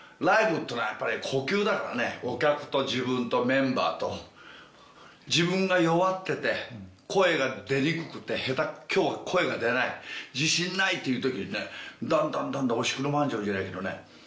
ライブってのはやっぱり呼吸だからねお客と自分とメンバーと自分が弱ってて声が出にくくて今日は声が出ない自信ないっていう時にねだんだんだんだんおしくらまんじゅうじゃないけどね